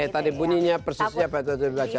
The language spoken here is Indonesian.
tadi bunyinya persis siapa itu yang dibaca